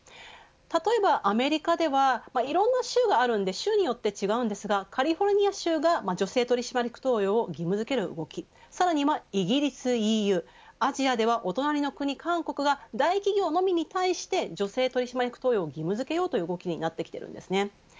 例えば、アメリカではいろんな州があるんで州によって違うんですがカリフォルニア州が女性取締役登用を義務づける動きさらにはイギリス、ＥＵアジアでは、お隣の国、韓国が大企業のみに対して女性取締役登用を義務付けようという動きになってきているんですね。